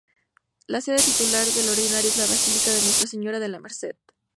La sede titular del ordinario es la Basílica de Nuestra señora de la Merced.